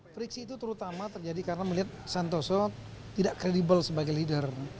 friksi itu terutama terjadi karena melihat santoso tidak kredibel sebagai leader